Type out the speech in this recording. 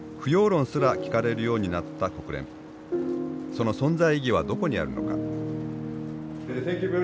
その存在意義はどこにあるのか。